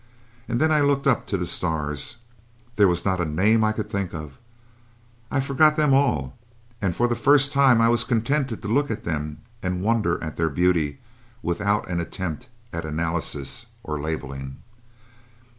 And then I looked up to the stars. There was not a name I could think of I forgot them all, and for the first time I was contented to look at them and wonder at their beauty without an attempt at analysis or labelling.